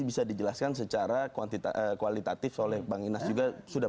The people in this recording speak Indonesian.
bisa dijelaskan secara kualitatif oleh bang inas juga sudah